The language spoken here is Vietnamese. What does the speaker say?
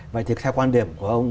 vậy thì theo quan điểm